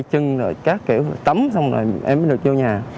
cái chân các kiểu tấm xong rồi em mới được vô nhà